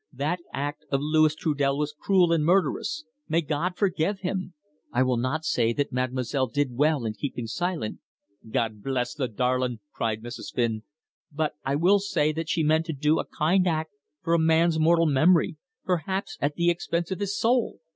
That act of Louis Trudel was cruel and murderous. May God forgive him! I will not say that mademoiselle did well in keeping silent " "God bless the darlin'!" cried Mrs. Flynn. " but I will say that she meant to do a kind act for a man's mortal memory perhaps at the expense of his soul."